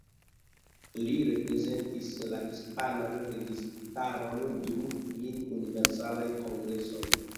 Li reprezentis la hispanan registaron dum kvin Universalaj Kongresoj.